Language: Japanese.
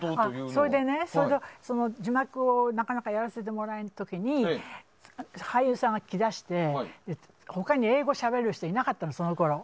それで、字幕をなかなかやらせてもらえない時に俳優さんが来だして他に英語をしゃべられる人がいなかったの。